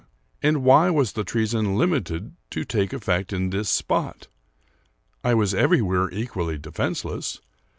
And why was the treason limited to take effect in this spot? I was everywhere equally defenseless.